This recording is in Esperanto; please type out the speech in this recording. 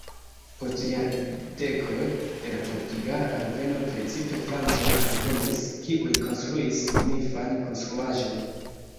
Post jardekoj de la portugala alveno precipe francoj alvenis, kiuj konstruis signifan konstruaĵon.